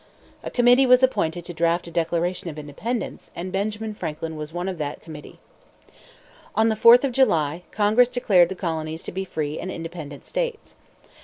A committee was appointed to draft a declaration of independence, and Benjamin Franklin was one of that committee. On the 4th of July, Congress declared the colonies to be free and independent states.